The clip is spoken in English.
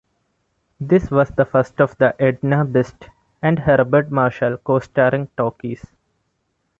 This was the first of the Edna Best and Herbert Marshall co-starring talkies.